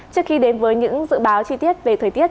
trước khi đến với những dự báo chi tiết về thời tiết